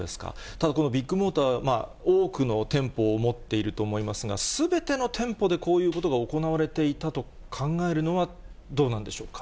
ただこのビッグモーター、多くの店舗を持っていると思いますが、すべての店舗でこういうことが行われていたと考えるのはどうなんでしょうか。